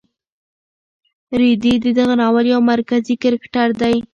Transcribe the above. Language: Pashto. رېدی د دغه ناول یو مرکزي کرکټر دی.